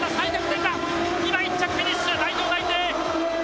今、１着フィニッシュ、代表内定。